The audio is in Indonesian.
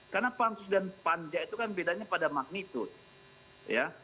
karena pansus dan panja itu kan bedanya pada magnitude